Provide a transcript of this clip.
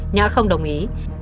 nhã không đồng ý